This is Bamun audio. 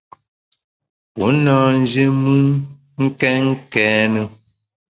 U na nji mùn kèn kène.